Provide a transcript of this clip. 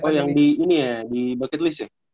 oh yang di ini ya di bucket list ya